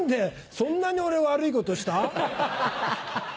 そんなに俺悪いことした？ハハハ！